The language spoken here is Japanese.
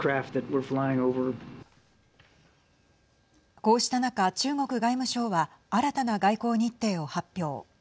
こうした中、中国外務省は新たな外交日程を発表。